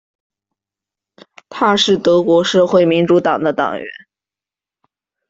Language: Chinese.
他是德国社会民主党的党员。